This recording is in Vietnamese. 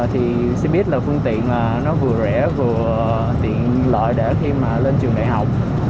thì xe buýt là phương tiện nó vừa rẻ vừa tiện lợi để khi mà lên trường đại học